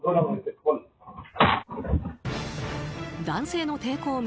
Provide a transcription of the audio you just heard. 男性の抵抗